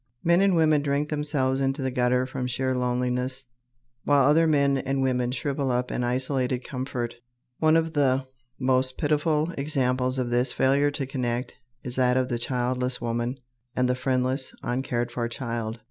Men and women drink themselves into the gutter from sheer loneliness, while other men and women shrivel up in isolated comfort. One of the most pitiful examples of this failure to connect is that of the childless woman and the friendless, uncared for child.